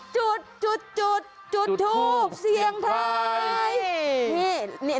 จุดจุดจุดจุดถูกเสียงไทย